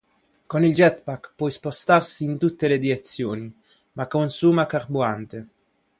Con il jet pack può spostarsi in tutte le direzioni, ma consuma carburante.